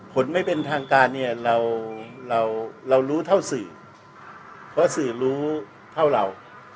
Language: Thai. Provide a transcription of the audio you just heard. ผลไม่เป็นทางการเนี่ยเรารู้เท่าสื่อเพราะสื่อรู้เท่าเรา